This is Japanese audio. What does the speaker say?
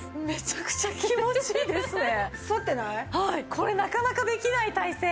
これなかなかできない体勢。